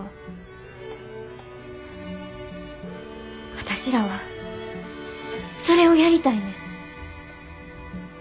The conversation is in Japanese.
私らはそれをやりたいねん。